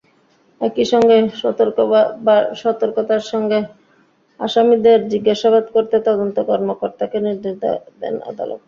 একই সঙ্গে সতর্কতার সঙ্গে আসামিদের জিজ্ঞাসাবাদ করতে তদন্ত কর্মকর্তাকে নির্দেশ দেন আদালত।